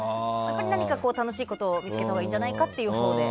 何か楽しいことを見つけたほうがいいんじゃないかと。